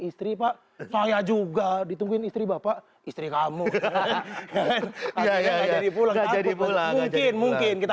istri pak saya juga ditungguin istri bapak istri kamu jadi pulang kampung mungkin mungkin kita